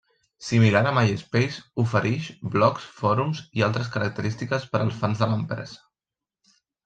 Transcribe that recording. Similar a MySpace, oferix blogs, fòrums, i altres característiques per als fans de l'empresa.